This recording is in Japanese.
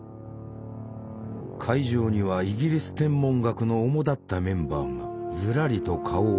会場にはイギリス天文学のおもだったメンバーがずらりと顔をそろえていた。